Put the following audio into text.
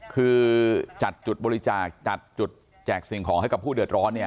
คือจัดจุดบริจาคจัดจุดแจกสิ่งของให้กับผู้เดือดร้อนเนี่ย